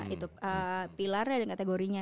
itu pilarnya dan kategorinya